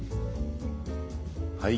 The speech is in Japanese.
はい。